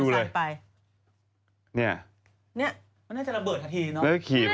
ใส่ไปเนี่ยมันน่าจะระเบิดทันทีเนอะ